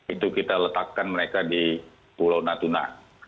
itu kita letakkan mereka di pulau natuna